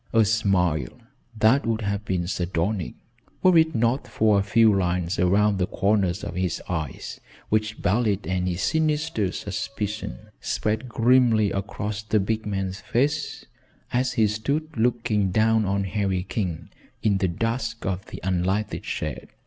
A smile that would have been sardonic, were it not for a few lines around the corners of his eyes which belied any sinister suspicion, spread grimly across the big man's face as he stood looking down on Harry King in the dusk of the unlighted shed.